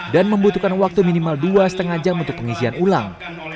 membutuhkan waktu minimal dua lima jam untuk pengisian ulang